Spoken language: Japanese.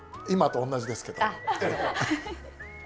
今と同じですけど。